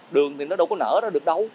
đường thì nó đâu có nở ra được đâu